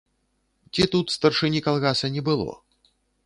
Ці тут старшыні калгаса не было?